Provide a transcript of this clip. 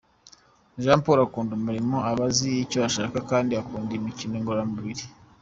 Jean Paul akunda umurimo, aba azi icyo ashaka kandi akunda imikino ngororamubiri.